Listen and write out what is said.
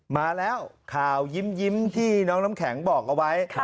มาแล้วข่าวยิ้มที่น้องน้ำแข็งบอกเอาไว้